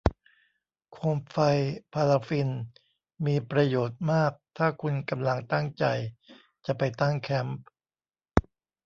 โคมไฟพาราฟินมีประโยชน์มากถ้าคุณกำลังตั้งใจจะไปตั้งแคมป์